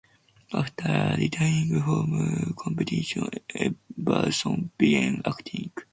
After retiring from competition, Everson began acting.